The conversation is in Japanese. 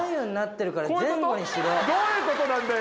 どういうことなんだよ。